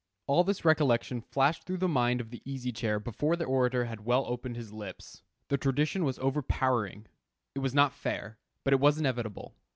All this recollection flashed through the mind of the Easy Chair before the orator had well opened his lips. The tradition was overpowering. It was not fair, but it was inevitable.